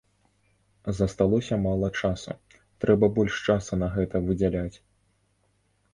Засталося мала часу, трэба больш часу на гэта выдзяляць.